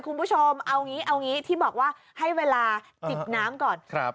คุณผู้ชมเอางี้เอางี้ที่บอกว่าให้เวลาจิบน้ำก่อนครับ